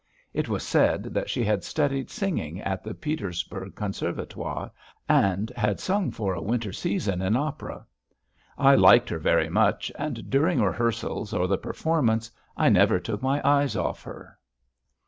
It was said that she had studied singing at the Petersburg conservatoire and had sung for a winter season in opera. I liked her very much, and during rehearsals or the performance, I never took my eyes off her.